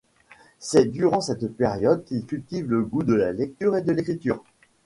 C’est durant cette période qu’il cultive le goût de la lecture et de l’écriture.